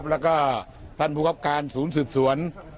แล้วก็ท่านผู้คับการศูนย์สืบสวน